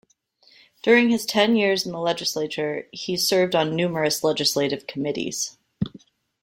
During his ten years in the Legislature, he served on numerous legislative committees.